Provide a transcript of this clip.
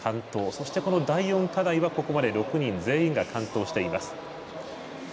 そして、第４課題はここまで６人全員が完登しています。